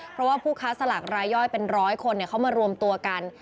เพราะว่าผู้ค้าสลากรายย่อยเป็นร้อยคนเขามารวมตัวกัน